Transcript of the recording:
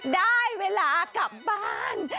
ได้เวลากลับบ้าน